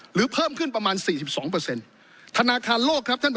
หรือเพิ่มขึ้นประมาณ๔๒เปอร์เซ็นต์ธนาคารโลก